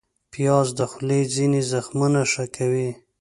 پیاز د خولې ځینې زخمونه ښه کوي